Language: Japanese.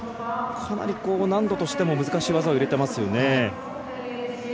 かなり難度としても難しい技を入れてますよね。